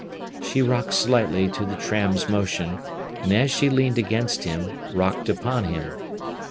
She rocked slightly to the tram's motion, and as she leaned against him, rocked upon him.